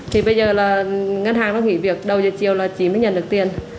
thì bây giờ là ngân hàng nó nghỉ việc đầu giờ chiều là chị mới nhận được tiền